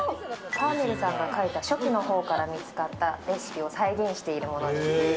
カーネルさんが書いた手記のほうから見つかった、レシピを再現しているものです。